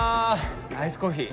アイスコーヒー？